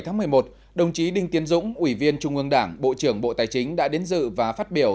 ngày một mươi bảy một mươi một đồng chí đinh tiến dũng ủy viên trung ương đảng bộ trưởng bộ tài chính đã đến dự và phát biểu